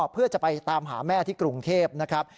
เพื่อจะไปตามหาแม่ที่กรุงเทพนะครับ